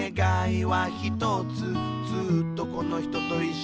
「ずっとこの人といっしょに」